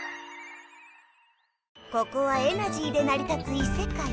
ここはエナジーでなり立ついせかい。